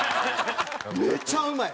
めちゃうまい！